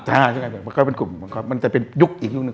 ใช่มันก็จะเป็นกลุ่มมันจะเป็นยุคอีกยุคนึง